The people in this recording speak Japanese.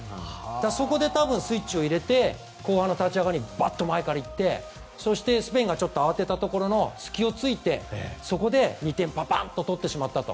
そこで多分、スイッチを入れて後半の立ち上がりにばっと前から行ってスペインが慌てたところの隙を突いて、２点パンパンと取ってしまったと。